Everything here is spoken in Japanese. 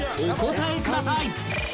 お答えください］